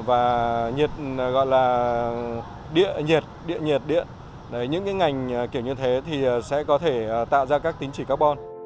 và điện nhiệt những ngành kiểu như thế thì sẽ có thể tạo ra các tín chỉ carbon